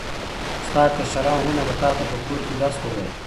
ستا کشران وروڼه به تاته په کور کې درس ووایي.